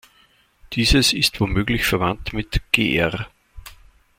Dieses ist womöglich verwandt mit gr.